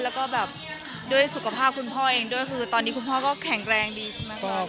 แล้วก็แบบด้วยสุขภาพคุณพ่อเองด้วยคือตอนนี้คุณพ่อก็แข็งแรงดีใช่ไหม